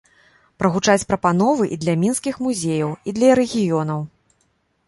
Прагучаць прапановы і для мінскіх музеяў, і для рэгіёнаў.